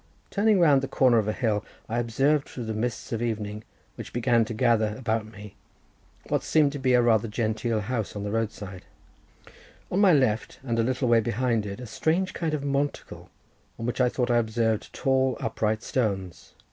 Turning round the corner of a hill, I observed through the mists of evening, which began to gather about me, what seemed to be rather a genteel house on the road side, on my left, and a little way behind it a strange kind of monticle, on which I thought I observed tall upright stones.